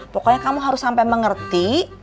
pokoknya kamu harus sampai mengerti